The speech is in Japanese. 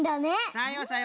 さようさよう。